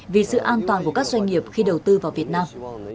vì sự an toàn của các doanh nghiệp khi đầu tư vào việt nam